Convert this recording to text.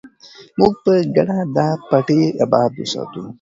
موږ به په ګډه دا پټی اباد وساتو.